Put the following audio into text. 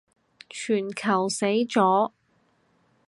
全球死咗